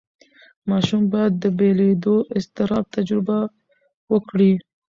ماشوم باید د بېلېدو اضطراب تجربه وکړي.